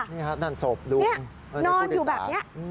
นี่ครับนั่นศพลุกนอนอยู่แบบนี้